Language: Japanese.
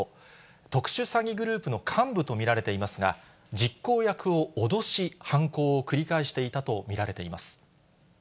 特殊詐欺グループの幹部と見られていますが、実行役を脅し、犯行を繰り返していたと見られています。